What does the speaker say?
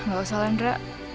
gak usah lendra